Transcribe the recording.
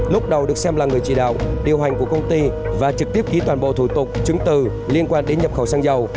lúc đầu được xem là người chỉ đạo điều hành của công ty và trực tiếp ký toàn bộ thủ tục chứng từ liên quan đến nhập khẩu xăng dầu